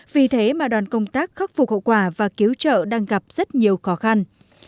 vì thế mà đoàn công tác khắc phục hậu quả và cứu trợ đang gặp rất nhiều khó khăn